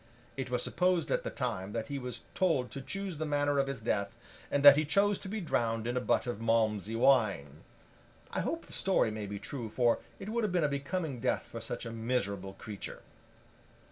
It was supposed at the time that he was told to choose the manner of his death, and that he chose to be drowned in a butt of Malmsey wine. I hope the story may be true, for it would have been a becoming death for such a miserable creature.